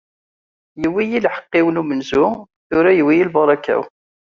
iwwi-yi lḥeqq-iw n umenzu, tura yewwi-yi lbaṛaka-w.